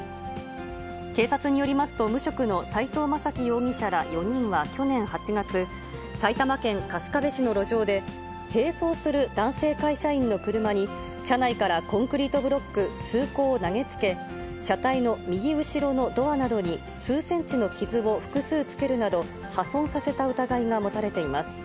警察によりますと、無職の斉藤雅樹容疑者ら４人は、去年８月、埼玉県春日部市の路上で、並走する男性会社員の車に、車内からコンクリートブロック数個を投げつけ、車体の右後ろのドアなどに数センチの傷を複数つけるなど、破損させた疑いが持たれています。